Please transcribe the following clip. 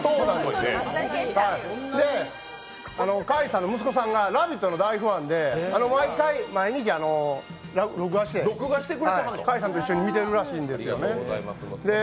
開さんの息子が「ラヴィット！」の大ファンで毎日録画して開さんと一緒に見てるらしいんですよね。